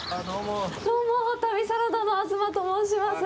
どうも、旅サラダの東と申します。